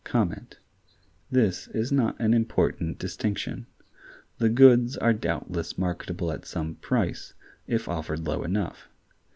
This is not an important distinction. The goods are doubtless marketable at some price, if offered low enough.